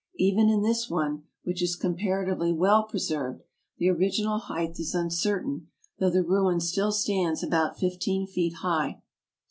Even in this one, which is compara tively well preserved, the original height is uncertain, though the ruin still stands about fifteen feet high.